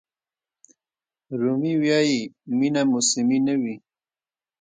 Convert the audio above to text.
رومي وایي مینه موسمي نه وي.